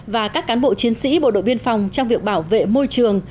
và các cán bộ chiến sĩ bộ đội biên phòng trong việc bảo vệ môi trường